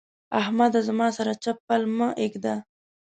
احمده! زما سره چپ پل مه اېږده.